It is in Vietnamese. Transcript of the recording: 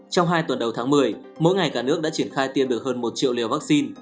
trong hai tuần đầu tháng một mươi mỗi ngày cả nước đã triển khai tiêm được hơn một triệu liều vaccine